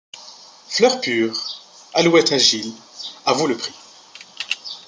Fleur pure, alouette agile, À vous le prix!